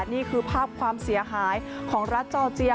นี่คือภาพความเสียหายของรัฐจอร์เจีย